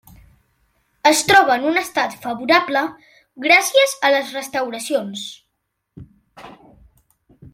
Es troba en un estat favorable gràcies a les restauracions.